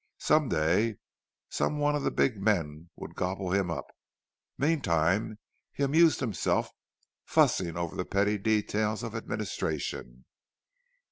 Some day some one of the big men would gobble him up; meantime he amused himself fussing over the petty details of administration.